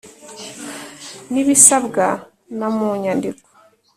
n ibisabwa na mu nyandiko